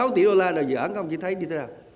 ba mươi sáu tỷ đô la là dự án không chí thấy đi thế nào